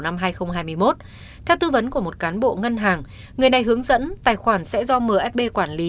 năm hai nghìn hai mươi một theo tư vấn của một cán bộ ngân hàng người này hướng dẫn tài khoản sẽ do msb quản lý